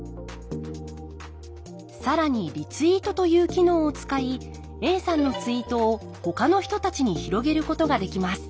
更にリツイートという機能を使いＡさんのツイートをほかの人たちに広げることができます